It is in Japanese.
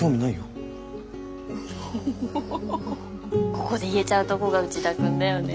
ここで言えちゃうとこが内田君だよね。